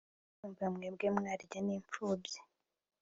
ndumva mwebwe mwarya n'imfubyi